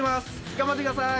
頑張ってください。